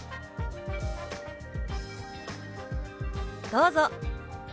どうぞ！